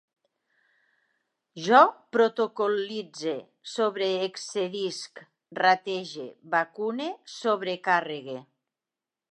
Jo protocol·litze, sobreexcedisc, ratege, vacune, sobrecarregue